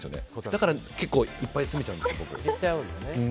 だからいっぱい詰めちゃうんです。